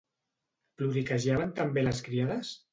Ploriquejaven també les criades?